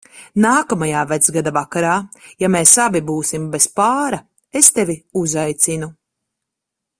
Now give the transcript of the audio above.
Nākamajā Vecgada vakarā, ja mēs abi būsim bez pāra, es tevi uzaicinu.